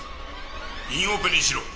「インオペにしろ」